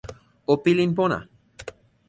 o pilin pona!